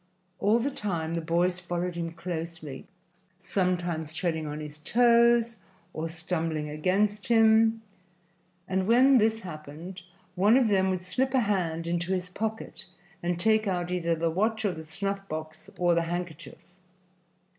All the time the boys followed him closely, sometimes treading on his toes or stumbling against him, and when this happened one of them would slip a hand into his pocket and take out either the watch or the snuff box or the handkerchief.